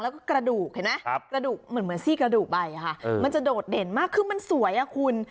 แล้วก็กระดูกเห็นไหมกระดูกเหมือนซี่กระดูกใบค่ะมันจะโดดเด่นมากคือมันสวยอ่ะคุณ